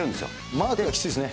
マークがきついですね。